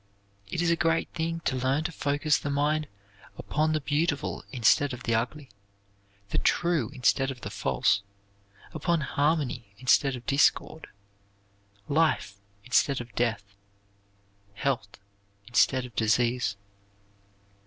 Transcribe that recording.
It is a great thing to learn to focus the mind upon the beautiful instead of the ugly, the true instead of the false, upon harmony instead of discord, life instead of death, health instead of disease.